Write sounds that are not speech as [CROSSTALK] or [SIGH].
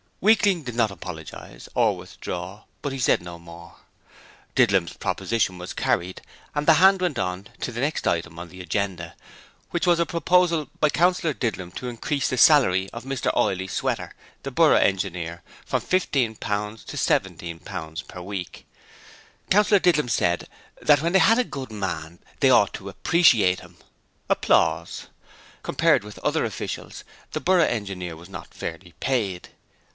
Weakling did not apologize or withdraw, but he said no more. Didlum's proposition was carried, and the 'Band' went on to the next item on the agenda, which was a proposal by Councillor Didlum to increase the salary of Mr Oyley Sweater, the Borough Engineer, from fifteen pounds to seventeen pounds per week. Councillor Didlum said that when they had a good man they ought to appreciate him. [APPLAUSE] Compared with other officials, the Borough Engineer was not fairly paid.